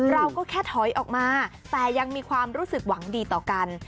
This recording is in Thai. เราก็แค่ถอยออกมาแต่ยังมีความรู้สึกหวังดีต่อกัน